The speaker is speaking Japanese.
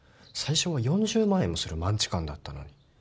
最初は４０万円もするマンチカンだったのに。